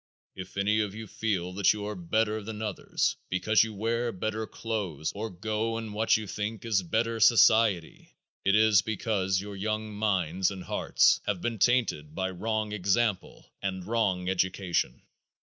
If any of you feel that you are better than others because you wear better clothes or live in better houses or go in what you think is "better society," it is because your young minds and hearts have been tainted by wrong example and wrong education.